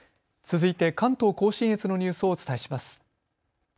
続いて関東甲信越のニュースをお伝えします。